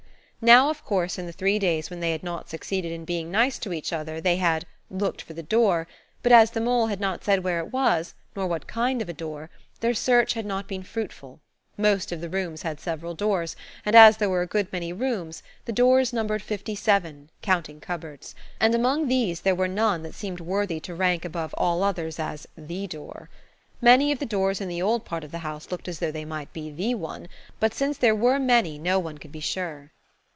Now, of course, in the three days when they had not succeeded in being nice to each other they had "looked for the door," but as the mole had not said where it was, nor what kind of a door, their search had not been fruitful Most of the rooms had several doors, and as there were a good many rooms the doors numbered fifty seven, counting cupboards. And among these there was none that seemed worthy to rank above all others as the door. Many of the doors in the old part of the house looked as though they might be the one, but since there were many no one could be sure.